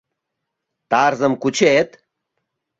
— Тарзым кучет?